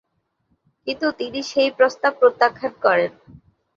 কিন্তু তিনি সেই প্রস্তাব প্রত্যাখ্যান করেন।